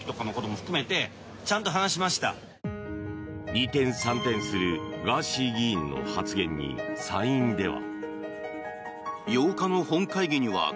二転三転するガーシー議員の発言に参院では。